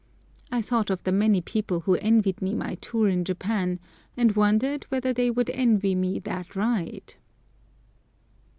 I thought of the many people who envied me my tour in Japan, and wondered whether they would envy me that ride!